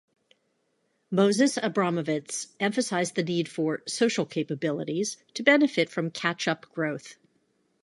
Moses Abramovitz emphasised the need for 'Social Capabilities' to benefit from catch-up growth.